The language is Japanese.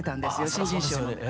新人賞の。